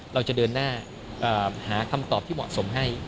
เราจะเดินหน้าหาคำตอบที่เหมาะสมให้